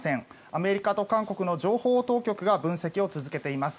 アメリカと韓国の情報当局が分析を続けています。